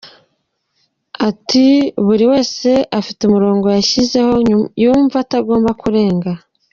Ati “Buri wese afite umurongo yashyizeho yumva atagomba kurenga.